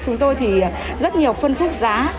chúng tôi thì rất nhiều phân khúc giá